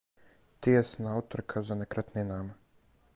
Тијесна утрка за некретнинама